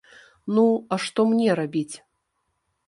Ну, а што мне рабіць?